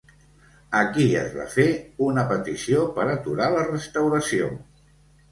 A qui es va fer una petició per aturar la restauració?